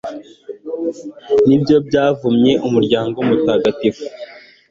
ni bwo bwavanye umuryango mutagatifu